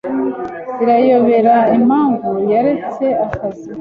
Birayobera impamvu yaretse akazi.